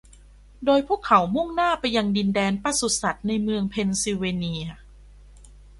โดยพวกเขามุ่งหน้าไปยังดินแดนปศุสัตว์ในเมืองเพนซิลเวเนีย